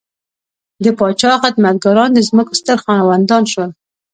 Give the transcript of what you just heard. د پاچا خدمتګاران د ځمکو ستر خاوندان شول.